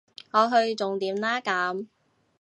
我去重點啦咁